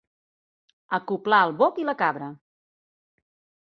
Acoblar el boc i la cabra.